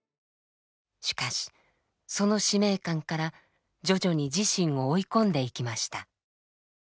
しかしその使命感から徐々に自身を追い込んでいきました。